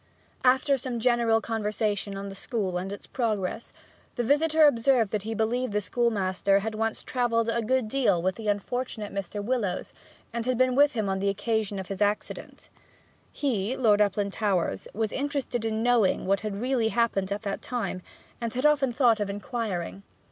After some general conversation on the school and its progress, the visitor observed that he believed the schoolmaster had once travelled a good deal with the unfortunate Mr. Willowes, and had been with him on the occasion of his accident. He, Lord Uplandtowers, was interested in knowing what had really happened at that time, and had often thought of inquiring.